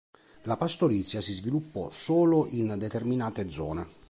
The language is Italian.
La pastorizia si sviluppò solo in determinate zone.